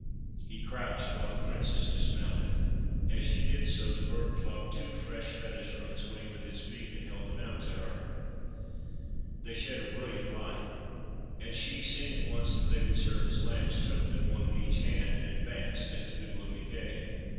He crouched while the Princess dismounted. As she did so, the Bird plucked two fresh feathers from its wing with its beak and held them out to her. They shed a brilliant light, and she, seeing at once that they would serve as lamps, took them, one in each hand, and advanced into the gloomy cave.